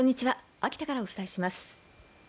秋田からお伝えします。